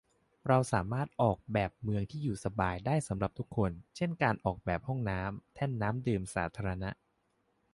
เราสามารถออกแบบเมืองที่อยู่สบายได้สำหรับทุกคน เช่นการออกแบบ ห้องน้ำ แท่นน้ำดื่มสาธารณะ